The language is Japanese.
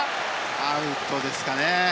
アウトですかね。